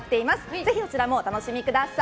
ぜひそちらもお楽しみください。